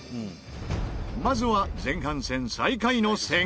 まずは前半戦最下位の千賀から。